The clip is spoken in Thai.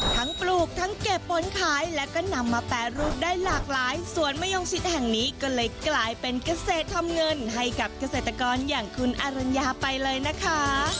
ปลูกทั้งเก็บผลขายแล้วก็นำมาแปรรูปได้หลากหลายสวนมะยงชิดแห่งนี้ก็เลยกลายเป็นเกษตรทำเงินให้กับเกษตรกรอย่างคุณอรัญญาไปเลยนะคะ